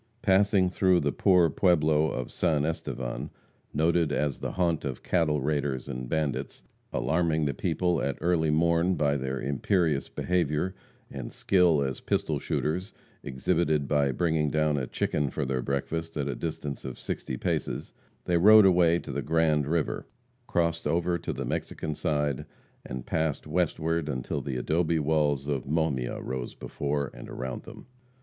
Passing through the poor pueblo of San Estevan, noted as the haunt of cattle raiders and bandits; alarming the people at early morn by their imperious behavior and skill as pistol shooters, exhibited by bringing down a chicken for their breakfast at a distance of sixty paces, they rode away to the Grande river, crossed over to the Mexican side, and passed westward until the adobe walls of Mojmia rose before and around them.